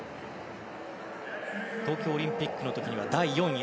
東京オリンピックの時には第４位。